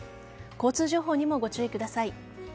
交通情報にもご注意ください。